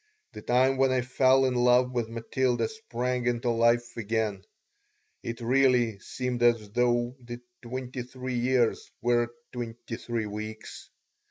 The time when I fell in love with Matilda sprang into life again. It really seemed as though the twenty three years were twenty three weeks.